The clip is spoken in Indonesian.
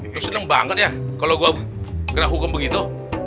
gue seneng banget ya kalau gue kena hukum begitu